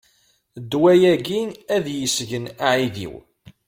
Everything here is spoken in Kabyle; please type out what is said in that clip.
Ddwa-agi ad yesgen aεidiw.